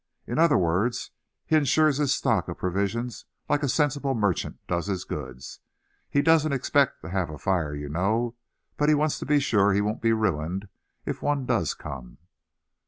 In other words he insures his stock of provisions like a sensible merchant does his goods. He doesn't expect to have a fire, you know; but he wants to be sure he won't be ruined if one does come."